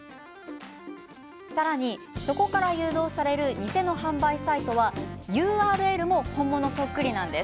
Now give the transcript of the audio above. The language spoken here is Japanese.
さらに、そこから誘導される偽の販売サイトはＵＲＬも本物そっくり。